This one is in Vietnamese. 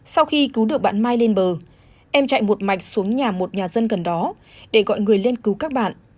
sau khi cứu được bạn mai lên bờ em chạy một mạch xuống nhà một nhà dân gần đó để gọi người lên cứu các bạn